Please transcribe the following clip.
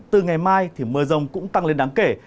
từ ngày mai thì mưa rông cũng tăng lên đáng kể